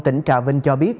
tỉnh trà vinh cho biết